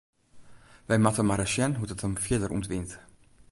Wy moatte mar ris sjen hoe't it him fierder ûntwynt.